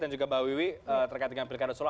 dan juga mbak wiwi terkait dengan pilkada solo